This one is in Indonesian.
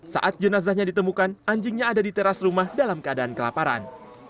saat jenazahnya ditemukan anjingnya ada di teras rumah dalam keadaan kelaparan